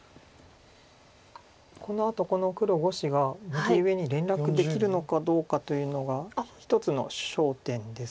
このあとこの黒５子が右上に連絡できるのかどうかというのが一つの焦点です。